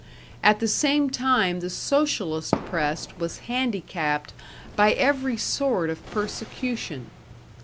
At the same time the Socialist press was handicapped by every sort of persecution.